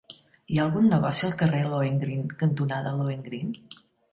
Hi ha algun negoci al carrer Lohengrin cantonada Lohengrin?